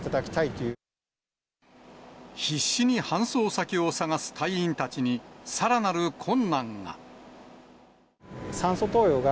い必死に搬送先を探す隊員たちに、さらなる困難が。